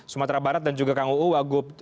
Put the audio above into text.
sumatera barat dan juga kang uu wagub